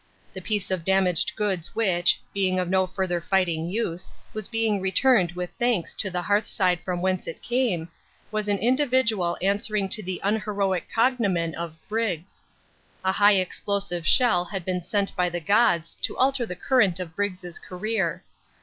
The piece of damaged goods which, being of no further fighting use, was being returned with thanks to the hearthside from whence it came, was an individual answering to the unheroic cognomen of Briggs. A high explosive shell had been sent by the Gods to alter the current of Briggs's career.